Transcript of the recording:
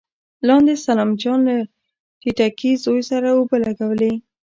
لاندې سلام جان له ټيټکي زوی سره اوبه لګولې.